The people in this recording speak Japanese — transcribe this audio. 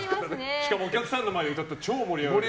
しかもお客さんの前で歌ったら超盛り上がる。